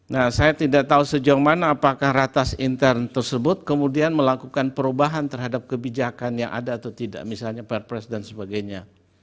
nah saya tidak tahu sejauh mana apakah ratas intern tersebut kemudian melakukan perubahan terhadap kebijakan yang ada atau tidak misalnya perpres dan sebagainya